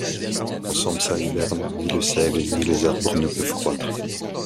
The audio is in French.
Quand Sampsa hiberne, ni le seigle ni les arbres ne peuvent croître.